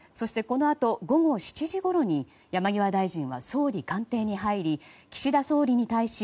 このあと午後７時ごろに山際大臣は総理官邸に入り、岸田総理に対し